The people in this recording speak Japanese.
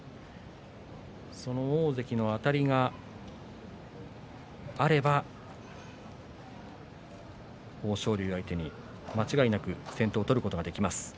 その大関のあたりがあれば豊昇龍相手に間違いなく先手を取ることができます。